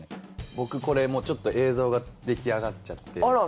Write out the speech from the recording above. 僕これもうちょっと映像が出来上がっちゃって。